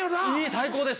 最高です！